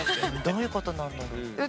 どういうことなんだろう？